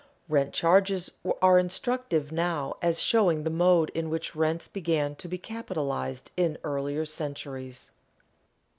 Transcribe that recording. Rent charges are instructive now as showing the mode in which rents began to be capitalized in earlier centuries.